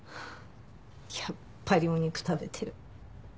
やっぱりお肉食べてる。